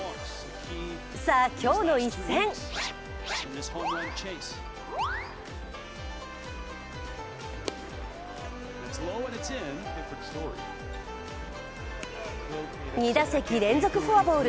さあ、今日の一戦２打席連続フォアボール。